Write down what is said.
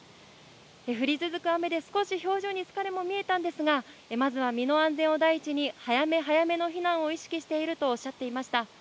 降り続く雨で少し表情に疲れも見えたんですが、まずは身の安全を第一に、早め早めの避難を意識しているとおっしゃっていました。